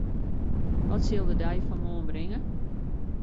Wat sil de dei fan moarn bringe?